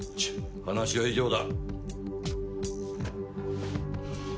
話は以上だ。